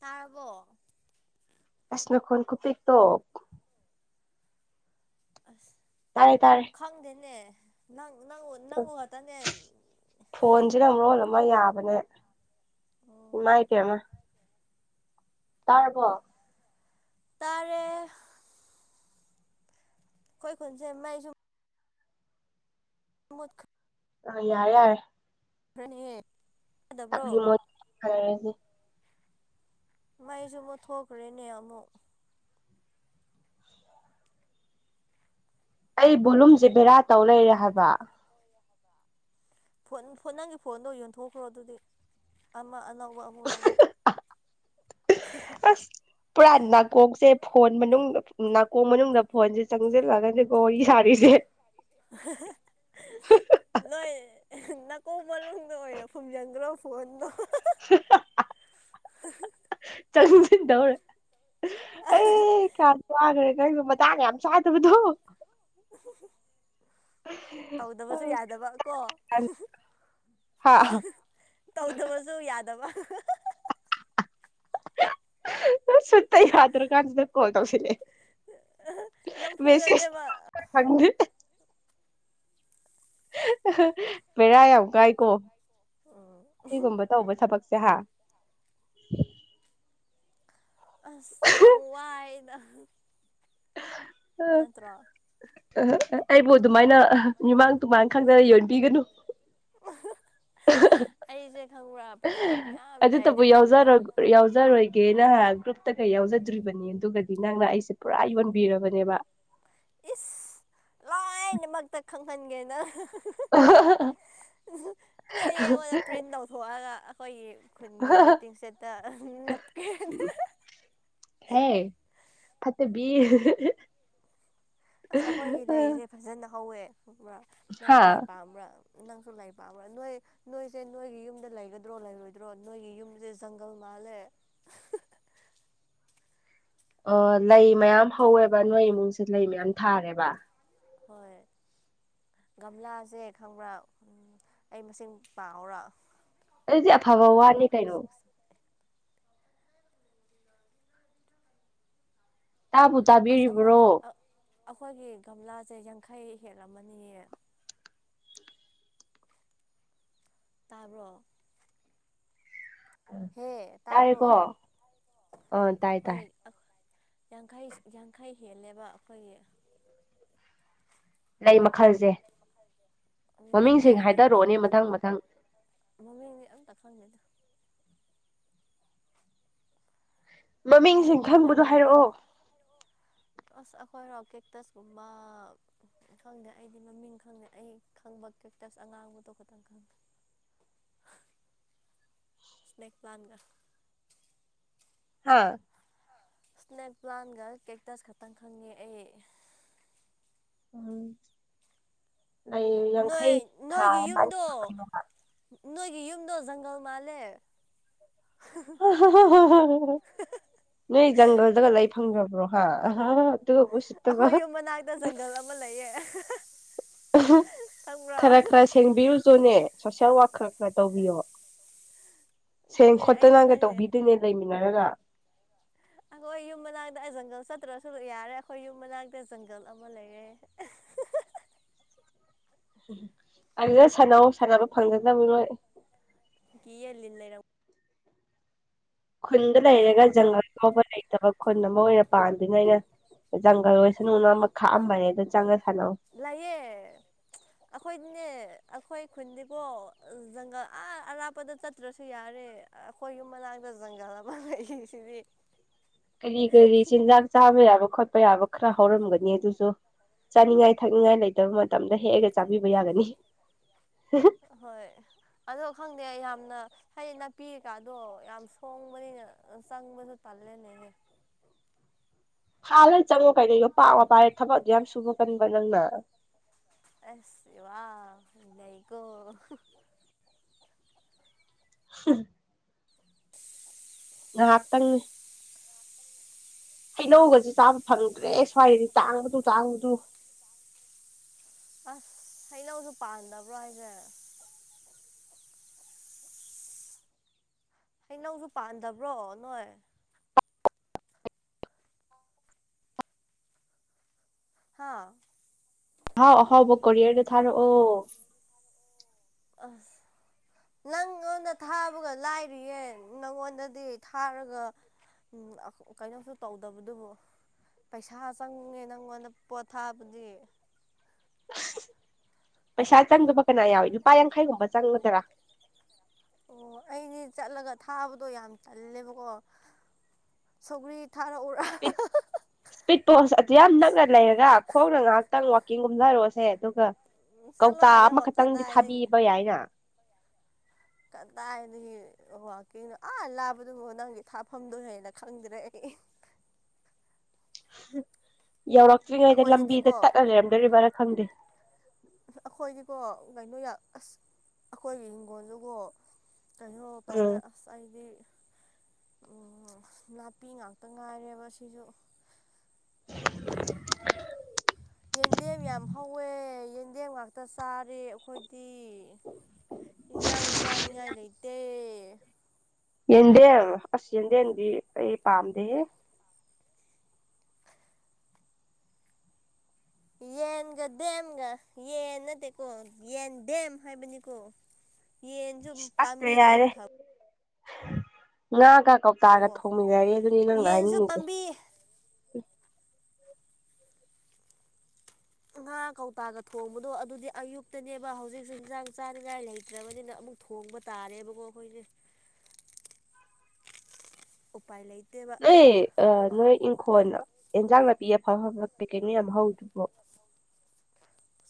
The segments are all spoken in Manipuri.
ꯇꯥꯔꯕꯣ ꯑꯁ ꯅꯈꯣꯟ ꯈꯨꯄꫭꯛꯇꯣ ꯑꯁ ꯇꯥꯔꯦ ꯇꯥꯔꯦ ꯈꯪꯗꯦꯅ‌ꯦ ꯅꯪ ꯅꯪꯎ ꯅꯪꯎ ꯉꯇꯅꯦ ꯐꯣꯟꯁꯤꯅ ꯃꯔꯣꯜ ꯑꯃ ꯌꯥꯕꯅꯦ ꯑꯣ ꯏꯃꯥꯏ ꯄ‌ꯦꯃꯥ ꯇꯥꯔꯕꯣ ꯇꯥꯔꯦ ꯑꯩꯈꯣꯏ ꯈꯨꯣꯟꯁꯦ ꯃꯥꯏꯁꯨꯨ ꯃꯠꯈ ꯑ ꯌꯥꫪ‌ꯦ ꯌꯥꫪ‌ꯦ ꯇꯅꯤ ꯑꯦ [unintelligible] ꯃꯥꯏꯁꯨ ꯃꯨꯊꯣꯛꯈ꯭ꯔꯦꯅꯦ ꯑꯃꯨꯛ ꯑꯩ ꯕꯣꯂꯨꯝꯁꯦ ꯕꯦꯔꯥ ꯇꯧ ꯂꯩꯔꯦ ꯍꯥꯏꯕ ꯐꯣꯟ ꯐꫭꯟ ꯅꯪꯒꯤ ꯐꯣꯟꯗꯣ ꯌꯣꯟꯊꯣꯛꯈ꯭ꯔꯣ ꯑꯗꯨꯗꯤ ꯑꯃ ꯑꯅꯧꯕ ꯑꯃꯨꯛ ꯂꯩꯌꫭ [inaudible] ꯑꯁ ꯄꯔꯥ ꯀꯣꯛꯁꯦ ꯐꯣꯟ ꯃꯅꯨꯡꯗ ꯅꯥꯀꯣꯡ ꯃꯅꯨꯡꯗ ꯐꯣꯟꯁꯦ ꯆꯪꯁꯤꯜꯂꯛꯒꯗꯤꯀꫭ ꯋꯥꯔꯤ ꯁꯥꯔꯤꯁꯦ [unintelligible] ꯅꯣꯏ ꯅꯥꯀꯣꯡ ꯃꯅꯨꯡꯗ ꯑꯣꯏꯅ ꯐꯨꯝꯖꯤꯟꯈ꯭ꯔꯣ ꯐꯣꯟꯗꯣ [unintelligible] [unintelligible] ꯆꯪꯁꯤꯟꯗꯧꯔꯦ ꯑꯦ ꯀꯌꯥꯗ ꯋꯥꯈ꯭ꯔꯦ ꯇꯅꯦꯦ ꯌꯥꯝꯝ ꯁꯥꯏꯦ ꯇ ꯗꯨꯨ ꯇꯧꯗꯕꯁꯨ ꯌꯥꯗꯕ ꯀꯣ ꯍꯥ ꯇꯧꯗꯕꯁꯨ ꯌꯥꯗꯕ ꯁꯇ ꯍꯥꯗꯔ ꯀꯥꯟꯁꯤꯗ ꯀꯣꯜ ꯇꯧꯁꯤꯦ ꯅꯝꯐꯨꯗꯅꯦꯕ ꯁ ꯐꯪꯦ ꯕꯦꯔꯥ ꯌꯥꯝ ꯀꯥꯏꯀꯣ ꯎꯝ ꯁꯤꯒꯨꯝꯕ ꯇꯧꯕ ꯊꯕꯛ ꯆꯍ ꯑꯁ ꯌꯥꯝ ꯋꯥꯏꯗ ꯅꯠꯇ꯭ꯔꯣ ꯑ ꯑꯩꯣ ꯑꯗꯨꯃꯥꯏꯅ ꯃꯤꯃꯥꯡ ꯇꯨꯃꯥꯡ ꯈꯪꯗꯅ ꯌꯣꯟꯕꯤꯒꯅꯨ ꯑꯩꯁꯦ ꯈꯪꯕ꯭ꯔꯥ ꯄꯩꯁꯥ ꯃꯌꯥꯝ ꯑꯗꯨꯇꯕꯨ ꯂꯩꯔꯗꯤ ꯌꯥꯎ ꯐꯒꯗꯕꯅꯤ ꯌꯥꯎꯖꯔꯣꯏꯒꯦ ꯅꯍ ꯒ꯭ꯔꯨꯞꯇ ꯀꯩ ꯌꯥꯎꯖꯗ꯭ꯔꯤꯕ ꯑꯗꯨꯒꯗꯤ ꯅꯪꯅ ꯑꯩꯁꯦ ꯄꯨꯔꯥ ꯌꯣꯟꯕꯤꯔꯕꯅꯦꯕ ꯏꯁ ꯂꯥꯏꯅꯃꯛꯇ ꯈꯪꯍꯟꯒꯦꯅ ꯆꯦꯡ ꯑꯩꯉꯣꯟꯗ ꯄ꯭ꯔꯤꯟ ꯇꯧꯊꯣꯛꯑꯒ ꯑꯩꯈꯣꯏꯒꯤ ꯈꯨꯟꯒꯤ ꯋꯦꯇꯤꯡꯁꯦꯠꯇ ꯅꯞꯀꯦ ꯎꯝ ꯐꯠꯇ ꯕꯤ ꯑꯁ ꯑꯩꯈꯣꯏꯒꯤ ꯂꯩꯁꯦ ꯐꯖꯅ ꯍꯧꯋꯦ꯭ꯔ ꯍꯥ ꯅꯪꯁꯨ ꯂꯩ ꯄꯥꯝꯕ꯭ꯔꯥ ꯅꯪꯁꯨ ꯂꯥꯏ ꯄꯥꯕꯥ ꯅꯣꯏ ꯅꯣꯏꯁꯦ ꯅꯣꯏꯒꯤ ꯌꯨꯝꯗ ꯂꯩꯒꯗ꯭ꯔꯣ ꯂꯩꯔꯣꯏꯗ꯭ꯔꯣ ꯅꯣꯏꯒꯤ ꯌꯨꯝꯁꯦ ꯖꯪꯒꯜ ꯐꯂꯦ ꯑ ꯂꯩ ꯃꯌꯥꯝ ꯍꯧꯋꯦꯕ ꯅꯣꯏ ꯏꯃꯨꯡꯁꯦ ꯂꯩ ꯃꯌꯥꯝ ꯊꯥꯔꯦꯕ ꯍꯣꯏ ꯒꯝꯂꯥꯁꯦ ꯈꯪꯕ꯭ꯔꯥ ꯑꯩ ꯃꯁꯤꯡ ꯄꯥꯎꯔꯥ ꯑꯗꯨꯗꯤ ꯑꯐꯕ ꯋꯥꯅꯤ ꯀꯩꯅꯣ ꯇꯥꯕꯨ ꯑꯁ ꯑꯩꯈꯣꯏ ꯇꯥꯕꯤꯔꯤꯕ꯭ꯔꯣ ꯑꯩꯈꯣꯏꯒꯤ ꯒꯝꯂꯥꯁꯦ ꯌꯥꯡꯈꯩ ꯍꯦꯛ ꯑꯃꯅꯤꯌꯦ ꯇꯕꯣ ꯇꯥꯏꯦꯀꯣ ꯇꯥꯕ꯭ꯔꯣ ꯑ ꯇꯥꯏ ꯑꯩꯈꯣꯏ ꯇꯥꯏ ꯌꯥꯡꯈꯩ ꯌꯥꯡꯈꯩ ꯍꯦꯜꯂꯦꯕ ꯑꯩꯈꯣꯏꯒꯤ ꯂꯩ ꯃꯈꯜꯁꯦ ꯅꯠꯇ ꯃꯃꯤꯡꯁꯤꯡ ꯂ ꯍꯥꯏꯊꯔꯛꯑꯣꯅꯦ ꯃꯊꯪ ꯃꯊꯪ ꯃꯃ ꯑ ꯇ ꯐꯣꯟ ꯂꯗ ꯃꯃꯤꯡꯁꯤꯡ ꯃꯃꯤꯡ ꯈꯪꯕꯗꯣ ꯈꯪꯗꯕꯅ ꯍꯥꯏꯔꯛꯑꯣ ꯑꯁ ꯑꯩꯈꯣꯏ ꯍꯔꯥꯎ ꯀꯦꯛꯇꯁꯀꯨꯝꯕ ꯈꯪꯗꯦ ꯑꯩꯗꯤ ꯃꯃꯤꯡ ꯈꯪꯗꯦ ꯑꯩ ꯈꯪꯕ ꯀ꯭ꯔꯦꯛꯇꯥꯁ ꯑꯉꯥꯡꯕꯨ ꯇꯣꯛ ꯈꯇꯪ ꯈꯪꯗ ꯁ꯭ꯅꯦꯦꯛ ꯄ꯭ꯂꯥꯟꯒ ꯍꯥꯥ ꯏꯁꯅꯦꯛ ꯄ꯭ꯂꯥꯟꯒ ꯀꯦꯛꯇꯁ ꯈꯛꯇꯪ ꯈꯪꯉꯦ ꯑꯩ ꯑꯨꯝ ꯑꯩ ꯅꯣꯏ ꯌꯥꯡꯈꯩ ꯊꯥꯣ ꯅꯣꯏꯒꯤ ꯌꯨꯝꯗꯣ ꯅꯣꯏꯒꯤ ꯌꯨꯝꯗꯣ ꯖꯪꯒꯜ ꯃꯥꯜꯂꯦ ꯅꯣꯏ ꯖꯪꯒꯜꯗꯒ ꯂꯩ ꯐꯪꯈ꯭ꯔꯕ꯭ꯔꯣ ꯍꯥ ꯑꯗꯨꯒ ꯎꯁꯤꯠꯇꯕ ꯑꯩꯈꯣꯏ ꯌꯨꯝ ꯃꯅꯥꯛꯇ ꯖꯪꯒꯜ ꯑꯃ ꯂꯩꯌꯦ ꯈꯪꯕ꯭ꯔꯣ ꯈꯔ ꯈꯔ ꯁꯦꯡꯕꯤꯌꯨꯁꯨꯅꯦ ꯁꯣꯁꯦꯜ ꯋꯥꯔꯛ ꯈꯔ ꯈꯔ ꯇꯧꯕꯤꯌꯣꯕ ꯁꯦꯡ ꯈꯪꯗꯦ ꯑꯩꯗꯤ ꯈꯣꯠꯇꯅꯒ ꯈꯪꯗꯦ ꯇꯧꯕꯤꯗꯣꯏꯅꯦ ꯂꯩꯃꯤꯟꯅꯔꯒ ꯑꯩꯈꯣꯏ ꯌꯨꯝ ꯃꯅꯥꯛꯇ ꯑꯩ ꯖꯪꯒꯜ ꯆꯠꯇ꯭ꯔꯁꯨ ꯌꯥꯔꯦ ꯑꯩꯈꯣꯏ ꯌꯨꯝ ꯃꯅꯥꯛꯇ ꯖꯪꯒꯜ ꯑꯃ ꯂꯩꯔꯦ [unintelligible] ꯎ ꯑꯗꯨꯗ ꯁꯥꯟꯅꯧ ꯁꯥꯟꯅꯕ ꯐꯪꯒꯗꯕ ꯃꯤꯔꯣꯏ ꯀꯤꯌꯦ ꯂ ꯂꯩꯔ ꯈꯨꯟꯗ ꯂꯩꯔꯦꯒ ꯂꯩꯔꯝꯒꯗꯧꯕ ꯖꯪꯒꯜ ꯐꯥꯎꯕ ꯂꯩꯔ ꯇꯕ ꯈꯨꯟ ꯑꯃ ꯑꯣꯏꯅ ꯄꯥꯗ꯭ꯔꯤꯉꯩꯅ ꯖꯪꯒꯜ ꯑꯣꯏꯁꯅꯨꯅ ꯑꯃ ꯈꯥꯛꯑꯝꯕꯅꯦ ꯗ ꯆꯪꯑ ꯂꯩꯥꯌꯦ ꯑꯈꯣꯏꯅꯦ꯫ ꯑꯈꯣꯏ ꯈꯨꯟꯗꯤꯀꯣ ꯖꯪꯒꯜ ꯑꯥ ꯑꯔꯥꯞꯄꯗ ꯆꯠꯇ꯭ꯔꯁꯨ ꯌꯥꯔꯦ ꯑꯩꯈꯣꯏ ꯌꯨꯝ ꯃꯅꯥꯛ ꯃꯖꯪꯒꯂ ꯑꯃ ꯂꯩꯁꯤꯗꯤ꯫ ꯀꯔꯤ-ꯀꯔꯤ ꯆꯤꯟꯖꯥꯛ ꯆꯥꯕ ꯌꯥꯕ ꯈꯣꯠꯄ ꯌꯥꯕ ꯈꯔ ꯍꯧꯔꯝꯒꯅꯤ ꯑꯗꯨꯁꯨ꯫ ꯆꯥꯅꯤꯡꯉꯥꯏ ꯊꯛꯅꯤꯡꯉꯥꯏ ꯂꯩꯇꯕ ꯃꯇꯝꯗ ꯍꯦꯛꯑꯒ ꯆꯥꯕꯤꯕ ꯌꯥꯒꯅꯤ꯫ ꯍꯣꯏ ꯑꯗꯣ ꯈꯪꯗꯦ ꯌꯥꯝꯅ ꯍꯌꯦ ꯅꯥꯄꯤ ꯀꯥꯗꯣ ꯌꯥꯝ ꯁꯣꯡꯕꯅꯤꯅ ꯆꯪꯕꯁꯨ ꯇꯜꯂꯦꯅꯦ꯫ ꯍ ꯐꯥꯜꯂꯒ ꯆꯪꯉꯣ ꯀꯩꯅꯣ ꯌꯣꯄꯥꯛꯥꯛ ꯋꯥ ꯄꯥꯏꯔꯦ ꯊꯕꯛ ꯑꯗꯨ ꯌꯥꯝ ꯁꯨꯕ ꯀꯟꯕ ꯅꯪꯅ꯫ ꯑꯁ ꯋꯥ ꯅꯩꯀꯣ꯫ [unintelligible] ꯉꯍꯥꯛꯇꯪꯅꯤ꯫ ꯍꯩꯅꯧꯒꯁꯤ ꯆꯥꯕ ꯐꯪꯔꯗ꯭ꯔꯦ ꯁ꯭ꯋꯥꯏꯗꯤ ꯇꯥꯡꯕꯗꯨ-ꯇꯥꯡꯕꯗꯨ꯫ ꯑꯁ ꯍꯩꯅꯧꯁꯨ ꯄꯥꯟꯗꯕ꯭ꯔꯣ ꯍꯥꯏꯁꯦ꯫ ꯍꯩꯅꯧꯁꯨ ꯄꯥꯟꯗꯕ꯭ꯔꯣ ꯅꯣꯏ꯫ ꯍꯥꯥ ꯑꯍꯥꯎ ꯑꯍꯥꯎꯕ ꯀꫭꯔꯤꯌꯔꯗ ꯊꯥꯔꯛꯑꯣ꯫ ꯑꯁ ꯅꯪꯉꯣꯟꯗ ꯊꯥꯕꯒ ꯂꯥꯏꯔꯤꯌꯦ ꯅꯪꯉꯣꯟꯗꯗꯤ ꯊꯥꯔꯒ ꯎꯝ ꯀꯩꯅꯣꯝꯁꯨ ꯇꯧꯗꯕꯗꯨꯕꯨ꯫ ꯄꯩꯁꯥ ꯆꯪꯉꯦ ꯅꯪꯉꯣꯟꯗ ꯄꯣꯠ ꯊꯥꯕꯗꯤ꯫ ꯄꯩꯁꯥ ꯆꯪꯗꯕ ꯀꯅꯥ ꯌꯥꯎꯏꯤ ꯂꯨꯄꯥ ꯌꯥꯡꯈꯩꯒꯨꯝꯕ ꯆꯪꯒꯗ꯭ꯔꯥ꯫ ꯑꯣ ꯑꯩꯗꯤ ꯆꯠꯂꯒ ꯊꯥꯕꯗꯣ ꯌꯥꯝ ꯇꯜꯂꯦꯕꯀꯣ ꯁꯧꯒ꯭ꯔꯤ ꯊꯥꯔꯛꯎꯔꯥ ꯏꯁꯄꯤꯠ ꯏꯁꯄꯤꯠ ꯄꯣꯁ ꯑꯗꯨ ꯌꯥꯝ ꯅꯛꯅ ꯂꯩꯔꯒ ꯈꯣꯡꯅ ꯉꯥꯏꯍꯥꯛꯇꯪ ꯋꯥꯛ ꯀꯤꯡ ꯀꯨꯝꯊꯔꫭꯁꯦ ꯑꯗꯨꯒ ꯆꯠꯂꯣ ꯀꯧꯇꯥ ꯑꯥꯗ ꯑꯃꯈꯛꯇꯪꯗꯤ ꯊꯥꯕꯤꯕ ꯌꯥꯏꯅꯥ꯫ ꯀꯇꯗꯥꯏꯗꯒꯤ꯫ ꯑꯣ ꯀꯩꯅꯣ ꯑꯥ ꯂꯥꯕꯗꯨꯣ ꯅꯪꯒꯤ ꯊꯥꯐꯝꯗꯣꯍꯦꯅ ꯈꯪꯗ꯭ꯔꯦ ꯑꯩ꯫ [unintelligible] [unintelligible] ꯌꯧꯔꯛꯇ꯭ꯔꯤꯉꯩꯗ ꯂꯝꯕꯤꯗ ꯑꯩꯈꯣꯏꯗꯗꯤꯀꯣ ꯇꯠꯅ ꯂꯩꯔꯝꯗꯣꯏꯔꯤꯕꯔ ꯈꯪꯗꯦ꯫ ꯀꯣ ꯀꯩꯅꯣ ꯔꯥ ꯑꯁ ꯑꯈꯣꯏꯒꯤ ꯍꯤꯡꯈꯣꯜꯗꯨꯀꯣ ꯀꯩꯅꯣ ꯇꯧꯋꯦ ꯎꯝ ꯑꯁ ꯑꯩꯗꯤ ꯎꯝ ꯅꯥꯄꯤ ꯉꯥꯛꯇ ꯉꯥꯏꯔꯦꯕ ꯁꯤꯁꯨ꯫ ꯌꯦꯟꯗꯦꯝ ꯌꯥꯝ ꯍꯧꯋꯦ ꯌꯦꯟꯗꯦꯝ ꯉꯥꯛꯇ ꯆꯥꯔꯦ ꯑꯩꯈꯣꯏꯗꯤ꯫ ꯏꯟꯖꯥꯡꯁ ꯆꯥꯅꯤꯡꯉꯥꯏ ꯂꯩꯇꯦ꯫ ꯌꯦꯞꯗꯦꯝ ꯑꯁ ꯌꯦꯟꯗꯦꯝꯗꯤ ꯑꯩ ꯄꯥꯝꯗꯦ꯫ ꯌꯦ ꯌꯦꯟꯒ ꯗꯦꯝꯒ ꯌꯦꯟ ꯅꯠꯇꯦꯀꯣ ꯌꯦꯟ ꯗꯦꯝ ꯍꯥꯏꯕꯅꯤꯀꯣ꯫ ꯌꯦꯟꯁꯨ ꯄꯥꯝꯕꯤ ꯂꯩꯔꯗꯤ ꯐ ꯉꯥ ꯀ ꯀꯧꯇꯥꯒ ꯐꯕꯀꯣ ꯊꯣꯡꯃꯤꯟꯅꯔꯦ ꯑꯗꯨꯅꯤ ꯅꯪꯅ ꯌꯦꯟꯁꯨ ꯍꯥꯏꯅꯤꯡꯉꯤꯁꯦ꯫ ꯄꯥꯝꯕꯤ ꯉꯥ ꯀꯧꯇꯥꯒ ꯊꯣꯡꯕꯗꯣ ꯑꯗꯨꯗꯤ ꯑꯌꯨꯛꯇꯅꯦꯕ ꯍꯧꯖꯤꯛꯁꯨ ꯌꯦꯟꯖꯥꯡ ꯆꯥꯅꯤꯡꯉꯥꯏ ꯂꯩꯇ꯭ꯔꯕꯅꯤꯅ ꯑꯃꯨꯛ ꯊꯣꯡꯕ ꯇꯥꯔꯦꯕꯀꯣ ꯑꯈꯣꯏꯁꯦ꯫ ꯎꯄꯥꯏ ꯂꯩ ꯅꯣꯏ ꯑ ꯅꯣꯏ ꯏꯪꯈꯣꯟ ꯌꯦꯟꯖꯥꯡ ꯅꯥꯄꯤ ꯑꯐ ꯑꯐꯕ ꯄꯦꯀꯦꯠ ꯃꯌꯥꯝ ꯍꯧꯗꯨꯕꯣ꯫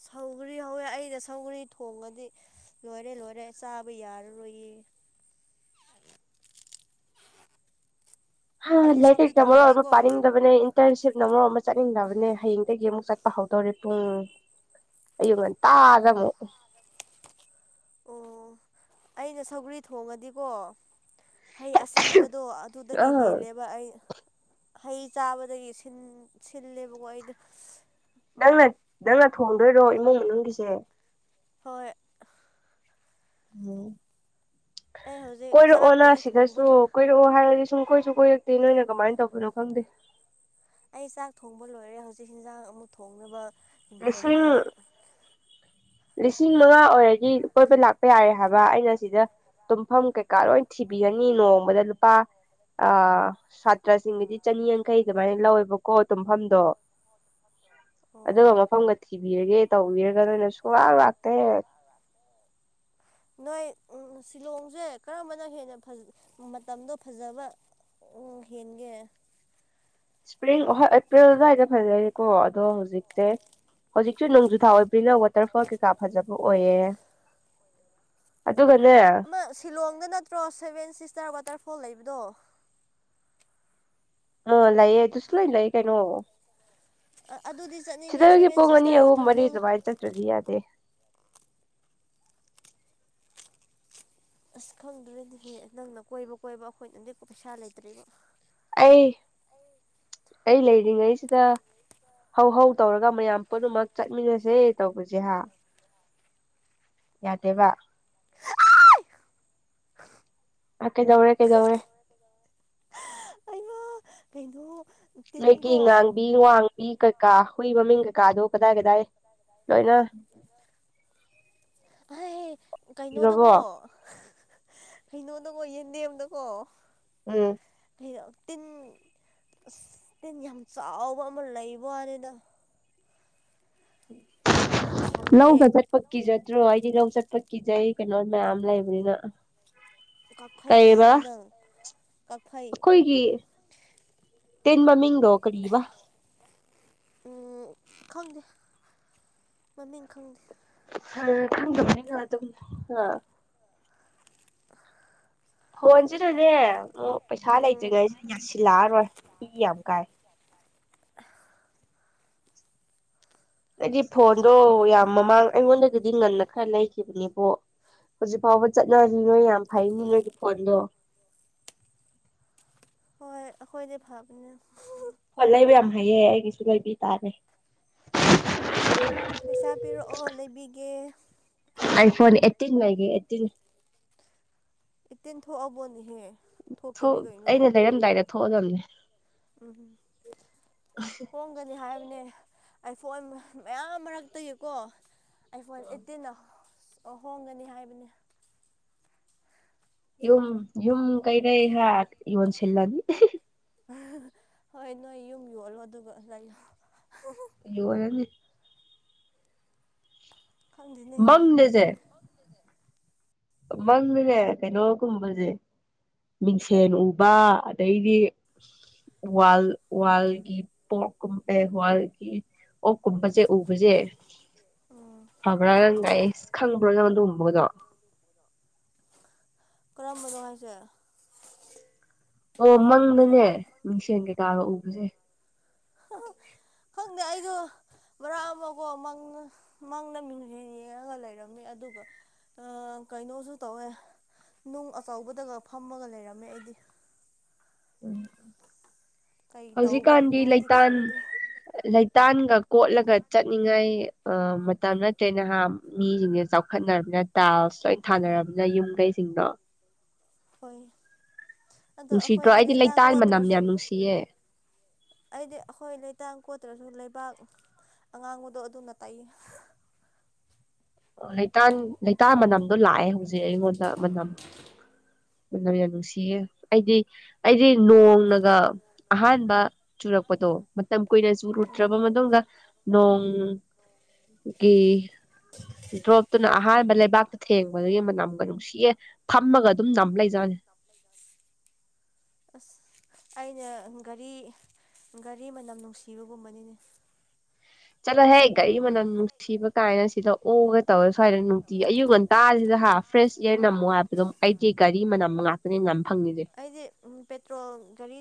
ꯁꯧꯒ꯭ꯔꯤ ꯍꯧꯋꯦ ꯑꯩꯅ ꯁꯧꯒ꯭ꯔꯤ ꯊꯣꯡꯉꯡꯑꯗꯤ ꯂꯣꯏꯔꯦ-ꯂꯣꯏꯔꯦ ꯆꯥꯕ ꯌꯥꯔꯔꯣꯏꯌꯦ꯫ [unintelligible] ꯍꯥ ꯑꯩꯅ ꯁꯧꯒ꯭ꯔꯤ ꯂꯥꯏꯔꯤꯛꯇ ꯃꯔꯣ ꯑꯃ ꯊꯣꯡꯉꯗꯤꯀꯣ ꯄꯥꯅꯤꯡꯗꯕꯅꯦ ꯏꯟꯇꯔꯟꯁꯤꯞꯅ ꯃꯔꯣꯟ ꯑꯃ ꯆꯠꯅꯤꯡꯗꯕꯅꯦ ꯍꯌꯦꯡꯗꯒꯤ ꯑꯃꯨꯛ ꯆꯠ ꯄ ꯍꯧꯗꯧꯔꯤꯦ ꯄꯨꯡ ꯑꯌꯨꯛ ꯉꯟꯇꯥꯒ ꯑꯃꯨꯛ ꯑꯣ ꯑꯩꯅ ꯁꯒꯔꯤ ꯊꯣꯡꯉꯗꯤꯀꯣ ꯍꯩ ꯑꯁꯤꯟꯕꯗꯣ ꯑꯗꯨꯗꯒꯤ ꯑꯥ ꯍꯦꯜꯂꯦꯕ ꯑꯩ ꯍꯩ ꯆꯥꯕꯗꯒꯤ ꯁꯤꯜꯂꯦꯕꯀꯣ ꯑꯩꯗꯣ ꯅꯪꯅ ꯅꯪꯅ ꯊꯣꯡꯗꯣꯏꯔꯣ ꯏꯃꯨꯡ ꯃꯅꯨꯡꯒꯤꯁꯦ ꯍꯣꯏ ꯎꯝ ꯑꯩ ꯍꯧꯖꯤꯛ ꯀꯣꯏꯔꯛꯑꯣꯅ ꯆꯥꯛꯄꯨꯗꯤ ꯊꯣꯡꯕ ꯁꯤꯗꯁꯨ ꯀꯣꯏꯔꯛꯑꯣ ꯍꯥꯏꯔꯗꯤꯁꯨ ꯁꯨꯡ ꯀꯣꯏꯁꯨ ꯀꯣꯏꯔꯛꯇꯦ ꯅꯣꯏꯅ ꯀꯃꯥꯏꯅ ꯇꯧꯕꯅꯣ ꯈꯪꯗꯦ ꯑꯩ ꯆꯥꯛ ꯊꯣꯡꯕ ꯂꯣꯏꯔꯦ ꯍꯧꯖꯤꯛ ꯍꯟꯖꯥꯡ ꯑꯃꯨꯛ ꯊꯣꯡꯅꯕ ꯏꯪꯈꯣꯜꯗ ꯂꯤꯁꯤꯡ ꯂꯤꯁꯤꯡ ꯃꯉꯥ ꯑꯣꯏꯔꯒꯤ ꯀꯣꯏꯕ ꯂꯥꯛꯄ ꯌꯥꯔꯦ ꯍꯥꯏꯕ ꯑꯩꯅ ꯁꯤꯗ ꯇꯨꯝꯐꯝ ꯀꯩꯀꯥ ꯂꯣꯏ ꯊꯤꯕꯤꯒꯅꯤ ꯅꯣꯡꯃꯗ ꯂꯨꯄꯥ ꯑ ꯁꯥꯇ꯭ꯔꯁꯤꯡꯒꯤꯗꯤ ꯆꯅꯤꯌꯥꯡꯈꯩ ꯑꯗꯨꯃꯥꯏꯅ ꯂꯧꯋꯦꯕꯀꯣ ꯇꯨꯝꯐꯝꯗꯣ ꯑꯗ ꯑꯣ ꯁꯤꯕꯤꯔꯒꯦ ꯇꯧꯕꯤꯔꯒ ꯅꯣꯏꯅ ꯁꯨꯡꯋꯥ ꯂꯥꯛꯇꯦ ꯅꯣꯏ ꯎ ꯁꯤꯂꯣꯡꯁꯦ ꯀꯔꯝꯕꯅ ꯍꯦꯟꯅ ꯃꯇꯝꯗꯣ ꯐꯖꯕ ꯎ ꯍꯦꯟꯒꯦ ꯏꯁꯄ꯭ꯔꯤꯡꯣꯏ ꯑꯦꯄ꯭ꯔꯤꯜ ꯑꯗꯨꯋꯥꯏꯗ ꯐꯖꯩꯀꯣ ꯑꯗꯣ ꯍꯧꯖꯤꯛꯁꯦ ꯍꯧꯖꯤꯛꯁꯨ ꯅꯣꯡꯖꯨꯊꯥ ꯑꯣꯏꯕꯅꯤꯅ ꯋꯥꯇꯔꯐꯣꯜ ꯀꯩꯀꯥ ꯐꯖꯕ ꯑꯣꯏꯌꯦ ꯑꯣꯏꯣꯏ ꯑꯗꯨꯒꯅꯦ ꯑꯃ ꯁꯤꯂꯣꯡꯗ ꯅꯠꯇ꯭ꯔꯣ ꯁꯚꯦꯟ ꯁꯤꯁꯇꯔ ꯋꯥꯇꯔꯐꯣꯜ ꯂꯩꯕꯗꯣ ꯎ ꯂꯩꯌꯦ ꯇꯁꯨ ꯂꯣꯏ ꯀꯅ ꯑꯣ ꯑꯗꯨꯗꯤ ꯆꯠꯅꯤꯡꯉꯦ ꯁꯤꯗꯒꯤ ꯁꯚꯦꯟ ꯄꯨꯡ ꯑꯅꯤ ꯁꯤꯁꯇꯔ ꯑꯍꯨꯝ ꯃꯔꯤ ꯋꯥꯇꯔꯐꯣꯜ ꯑꯗꯨꯃꯥꯏꯅ ꯆꯠꯇ꯭ꯔꯗꯤ ꯌꯥꯗꯦ ꯑꯁ ꯈꯪꯗ꯭ꯔꯗꯤꯍꯦ ꯅꯪꯅ ꯀꯣꯏꯕ ꯀꯣꯏꯕ ꯑꯩꯈꯣꯏꯅ ꯑꯦꯛꯄ ꯄꯩꯁꯥ ꯂꯩꯇ꯭ꯦꯔꯤꯕ ꯑꯩ ꯑꯩ ꯂꯩꯔꯤꯉꯩꯁꯤꯗ ꯍꯧ ꯍꯧ ꯇꯧꯔꯒ ꯃꯌꯥꯝ ꯄꯨꯝꯅꯃꯛ ꯆꯠꯃꯤꯟꯅꯁꯦ ꯇꯧꯕꯁꯦ ꯍꯥ ꯌꯥꯗꯦꯕ ꯑ ꯀꯩꯗꯧꯔꯦ ꯀꯩꯗꯧꯔꯦ ꯑꯩꯅ ꯀꯩꯅꯣ ꯂꯩꯒꯤ ꯇꯤꯟꯀꯣ ꯉꯥꯡꯕꯤ ꯋꯥꯡꯕꯤ ꯀꯀꯥ ꯍꯨꯏ ꯃꯃꯤꯡ ꯀꯀꯥꯗꯣ ꯀꯗꯥꯏ ꯀꯗꯥꯏ ꯅꯣꯏꯅ ꯍꯥꯏ ꯏꯈ꯭ꯔꯕꯣ ꯀꯩꯅꯣꯗꯀꯣ ꯀꯩꯅꯣꯗꯀꯣ ꯌꯦꯟꯗꯦꯝꯗꯀꯣ ꯎꯝ ꯗ ꯇꯤꯟ ꯑꯁ ꯇꯤꯟ ꯌꯥꯝ ꯆꯥꯎꯕ ꯑꯃ ꯂꯩꯕꯅꯤꯗ ꯈꯪꯉꯦ ꯂꯧꯧꯒ ꯆꯠꯄꯛꯀꯤꯖꯠꯇ꯭ꯔꯣ ꯍꯥꯏꯗꯤ ꯂꯧꯧ ꯆꯠꯄ ꯀꯖꯩ ꯀꯩꯅꯣꯔꯃꯦꯌꯥꯝꯝꯂ ꯏꯕꯅꯤꯅ ꯀꯛꯐꯩ ꯀꯤꯕ꯭ꯔꯥ ꯅꯪ ꯀꯛꯐꯩ ꯇꯤꯟ ꯃꯃꯤꯡꯗꯣ ꯀꯔꯤꯕꯥ ꯎꯝ ꯈꯪꯗꯦ ꯃꯃꯤꯡ ꯈꯪꯗꯦ ꯑ ꯊꯪꯅꯤ ꯉ ꯑꯗꯨꯝ ꯑ ꯐꯣꯟꯁꯤꯗꯅꯦ ꯑꯃ ꯄꯩꯁꯥ ꯎꯝ ꯂꯩꯇ꯭ꯔꯤꯉꯩꯁꯨ ꯌꯥꯁꯤꯜꯂꯛꯑꯔꯣꯏ ꯐ ꯌꯥꯝ ꯀꯥꯏ ꯑꯩꯗꯤ ꯐꯣꯟꯗꯣ ꯌꯥꯝ ꯃꯃꯥꯡ ꯑꯩꯉꯣꯟꯗꯒꯤꯗꯤ ꯉꯟꯅ ꯈꯔ ꯂꯩꯈꯤꯕꯅꯦꯕ ꯍꯧꯖꯤꯛ ꯐꯥꯎꯕ ꯆꯠꯅꯔꯤ ꯅꯣꯏ ꯌꯥꯝ ꯐꯩꯅꯤ ꯅꯣꯏꯒꯤ ꯐꯣꯟꯗꯣ ꯍꯣꯏ ꯍꯈꯣꯏꯗꯤ ꯐꯕꯅꯦ ꯍꯣꯏ ꯂꯩꯕ ꯌꯥꯝ ꯍꯩꯌꯦ ꯑꯩꯒꯤꯁꯨ ꯂꯩꯕꯤ ꯇꯥꯔꯦ ꯄꯩꯁꯥ ꯄꯤꯔꯛꯑꯣ ꯂꯩꯕꯤꯒꯦ ꯑꯥꯏ ꯐꯣꯟ ꯑꯦꯠꯇꯤꯟ ꯂꯒꯤꯦꯠꯇꯤꯟ ꯏꯇꯦꯟ ꯊꯣꯛꯑꯕꯣꯟꯍꯦ ꯑꯩꯅ ꯂꯩꯔꯝꯗꯥꯏꯗ ꯊꯣꯛꯑꯗꯕꯅꯦ ꯎꯝ ꯍꯣꯡꯒꯅꯤ ꯍꯥꯏ ꯅꯦ ꯑꯥꯏꯐꯣꯟ ꯃꯌꯥꯝ ꯃꯔꯛꯇꯒꯤꯀꯣ ꯑꯥꯏꯐꯣꯟ ꯑꯦꯠꯇꯤꯗ ꯑꯣ ꯍꯣꯡꯒꯅꯤ ꯍꯥꯏꯕꯅꯦ ꯍ ꯍ ꯀꯩꯔ ꯍ ꯌꯟ ꯁꯤꯜꯂꯅꯤ ꯍꯣꯏ ꯅꯣꯏ ꯌꯨꯝ ꯌꯣꯜꯂꯣ ꯑꯗꯨꯒ ꯂꯩꯂꯣ ꯀ ꯋꯥꯂꯅꯦ ꯈꯪꯗꯦꯅꯦ ꯅꯖꯦ ꯃꯪꯗꯅꯦ ꯀꯩꯅꯣꯒꯨꯝꯕꯁꯦ ꯃꯤꯡꯁꯦꯟ ꯎꯕ ꯑꯗꯩꯗꯤ ꯋꯥꯜ ꯋꯥꯜꯒꯤ ꯄꯣꯛ ꯋꯥꯜꯒꯤ ꯑꯣ ꯀꯨꯝꯕꯁꯦ ꯎꯕꯁꯦ ꯎꯝ ꯐꯕ꯭ꯔꯥ ꯅꯪ ꯉ ꯑꯩ ꯈꯪꯕ꯭ꯔꯥ ꯅꯪꯣꯟꯗꯣꯡꯕꯒꯗꯣ ꯀꯔꯝꯕꯗꯅꯨꯡ ꯍꯥꯏꯁꯦ ꯑꯣ ꯃꯪꯗꯅꯦ ꯃꯤꯡꯁꯦꯝ ꯀꯩꯀꯥꯒ ꯎꯕꯁꯦ ꯍꯪꯅꯦꯦ ꯑꯩꯒ ꯃꯔꯛ ꯑꯃꯒꯣ ꯃꯪꯅ ꯃꯪꯅ ꯃꯤꯡꯁꯤ ꯌꯦꯡꯉꯒ ꯂꯩꯔꯝꯃꯤ ꯑꯗꯨꯒ ꯑ ꯀꯩꯩꯅꯣꯁꯨꯨ ꯇꯧꯋ ꯅꯨꯡ ꯑꯆꯧꯕꯗꯒ ꯐꯝꯃꯒ ꯂꯩꯔꯝꯃꯦ ꯑꯩꯗꯤ ꯎ ꯀꯩ ꯍꯧꯖꯤꯛꯀꯥꯟꯗꯤ ꯇꯧꯕꯒꯤꯅꯣꯗꯤ ꯂꯩꯇꯥꯟ ꯈꯪꯗꯦ ꯂꯩꯇꯥꯟꯒ ꯀꯣꯠꯂꯒ ꯆꯠꯅꯤꯡꯉꯥꯏ ꯃꯇꯝ ꯅꯠꯇ꯭ꯔꯦ ꯅꯍꯥꯟ ꯃꯤꯁꯤꯡꯁꯦ ꯆꯥꯎꯈꯠꯅꯕ ꯅꯠꯇ ꯑꯁꯣꯏ ꯊꯥꯅꯃꯤꯅ ꯌꯨꯝ ꯀꯩꯁꯤꯡꯗꯣ ꯍꯣꯏ ꯑꯗꯣ ꯅꯨꯡꯁꯤꯗ꯭ꯔꯣ ꯑꯩꯈꯣꯏꯗꯤ ꯑꯩꯗꯤ ꯂꯩꯇꯥꯡ ꯂꯩꯇ ꯃꯅꯝꯅꯦ ꯀꯣꯠꯇ꯭ꯔꯁꯨ ꯌꯥꯝ ꯅꯨꯡꯁꯤꯌꯦ ꯑꯩꯗꯤ ꯑꯩꯈꯣꯏ ꯂꯩꯇꯥꯡ ꯀꯣꯠꯇ꯭ꯔꯁꯨ ꯂꯩꯕꯥꯛ ꯑꯉꯥꯡꯕꯗꯣ ꯑꯗꯨꯅ ꯇꯥꯏ ꯂꯩꯇꯥꯟ ꯂꯩꯇꯥ ꯃꯅꯝꯗꯣ ꯂꯥꯛꯑꯦ ꯍꯧꯖꯤꯛ ꯑꯩꯉꯣꯟꯗ ꯃꯅꯝ ꯃ ꯌꯥꯝ ꯅꯨꯡꯁꯤꯌꯦꯦ ꯑꯩꯗꯤ ꯑꯩꯗꯤ ꯅꯣꯡꯅꯒ ꯑꯍꯥꯟꯕ ꯆꯨꯔꯛꯄꯗꯣ ꯃꯇꯝ ꯀꯨꯏꯅ ꯆꯨꯔꯨꯗ꯭ꯔꯕ ꯎꯝ ꯃꯇꯨꯡꯗ ꯅꯣꯡꯣꯡ ꯒꯤ ꯗ꯭ꯔꯣꯞꯇꯨꯅ ꯑꯍꯥꯟꯕ ꯂꯩꯕꯥꯛꯇ ꯊꯦꯡꯕꯗꯨꯒꯤ ꯃꯅꯝꯒ ꯅꯨꯡꯁꯤꯌꯦ ꯐꯝꯃꯒ ꯖ ꯑꯁ ꯑꯩꯅ ꯒꯥꯔꯤ ꯒꯥꯔꯤ ꯃꯅꯝ ꯅꯨꯡꯁꯤꯕꯒꯨꯝꯕꯅꯤꯅꯦ ꯆꯠꯂꯣꯍꯦ ꯒꯥꯔꯤ ꯃꯅꯝ ꯅꯨꯡꯁꯤꯕ ꯀꯥꯏꯅ ꯁꯤꯗ ꯑꯣꯒ ꯇꯧꯔꯦ ꯁ꯭ꯋꯥꯏꯗ ꯗꯤ ꯑꯌꯨꯛ ꯉꯟꯇꯥꯁꯤꯗ ꯍꯥ ꯐ꯭ꯔꯦꯁ ꯏꯌꯥꯔ ꯅꯝꯃꯣ ꯍꯥꯏꯕꯗꯣ ꯑꯩꯗꯤ ꯒꯥꯔꯤ ꯃꯅꯝ ꯉꯥꯛꯇꯅꯦ ꯉꯝ ꯐꯪꯉꯗꯦ ꯑꯩꯗꯤꯦ ꯎ ꯄꯦꯇ꯭ꯔꯣꯜ ꯒꯥꯔꯤ